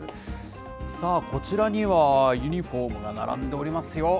さあ、こちらにはユニホームが並んでいますよ。